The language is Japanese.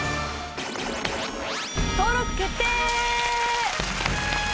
登録決定！